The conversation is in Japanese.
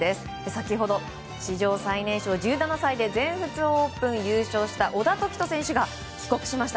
先ほど、史上最年少１７歳で全仏オープン優勝した小田凱人選手が帰国しました。